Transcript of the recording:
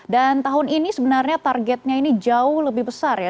dan tahun ini sebenarnya targetnya ini jauh lebih besar ya